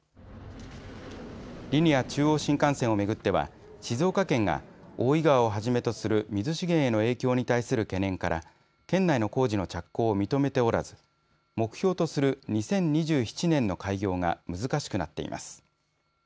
リニア中央新幹線を巡っては静岡県が大井川をはじめとする水資源への影響に対する懸念から県内の工事の着工を認めておらず目標とする２０２７年の開業が難しくなっています。